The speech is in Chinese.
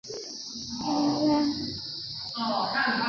厦门大学刘海峰则认为博饼从北方流行过的状元筹演化而来。